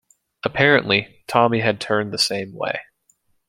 Apparently Tommy had turned the same way.